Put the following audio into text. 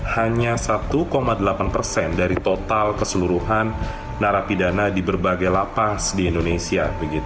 hanya satu delapan persen dari total keseluruhan narapidana di berbagai lapas di indonesia